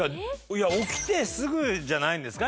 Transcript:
起きてすぐじゃないんですか？